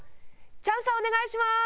チャンさんお願いします！